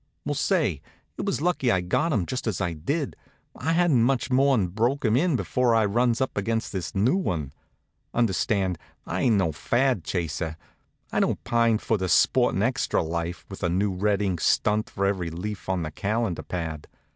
Well, say, it was lucky I got him just as I did. I hadn't much more'n broke him in before I runs up against this new one. Understand, I ain't no fad chaser. I don't pine for the sporting extra life, with a new red ink stunt for every leaf on the calendar pad.